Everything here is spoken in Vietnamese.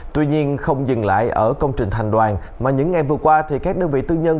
tuy nhiên không dừng lại ở công trình thành đoàn mà những ngày vừa qua thì các đơn vị tư nhân